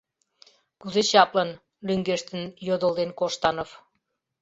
— Кузе чаплын? — лӱҥгештын йодылден Коштанов.